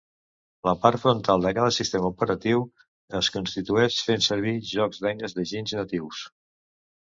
La part frontal de cada sistema operatiu es construeix fent servir jocs d'eines de ginys natius.